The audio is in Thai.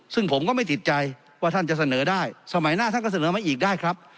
ซึ่งผมก็ไม่ติดใจว่าท่านจะเสนอได้สมัยหน้าท่านก็เสนอมาอีกได้ครับ